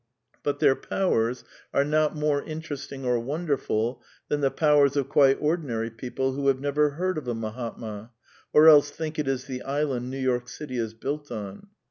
But their powers are not more interesting or wonderful than the powers of quite ordinary people who have never heard of a Mahatma, or else think it is the island New York City is built on.